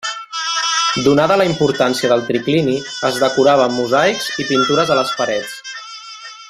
Donada la importància del triclini, es decorava amb mosaics i pintures a les parets.